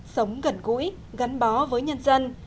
sống gần gũi gắn bó với nhân dân